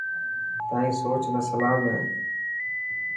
تائن سوچ نا سلام هي.